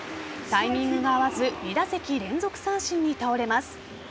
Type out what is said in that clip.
タイミングが合わず２打席連続三振に倒れます。